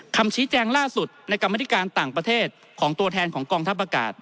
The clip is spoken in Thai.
คำชี้แจงล่าสุดในกรรมธิการต่างประเทศของตัวแทนของกองทัพอากาศ